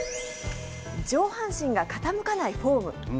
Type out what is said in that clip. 上半身が傾かないフォーム。